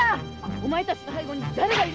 お前たちの背後にだれがいる。